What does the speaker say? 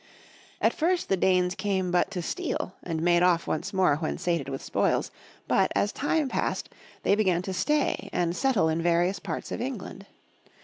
At first the Danes came but to steal and made off once more when sated with spoils, but, as time passed, they began to stay and settle in various parts of England.